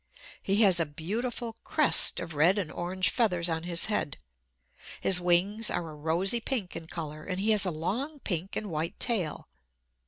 He has a beautiful crest of red and orange feathers on his head. His wings are a rosy pink in color; and he has a long pink and white tail.